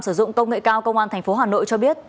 sử dụng công nghệ cao công an tp hà nội cho biết